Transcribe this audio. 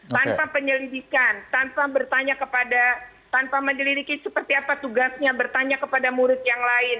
tanpa penyelidikan tanpa bertanya kepada tanpa menyelidiki seperti apa tugasnya bertanya kepada murid yang lain